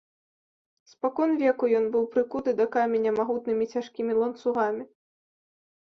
Спакон веку ён быў прыкуты да каменя магутнымі, цяжкімі ланцугамі.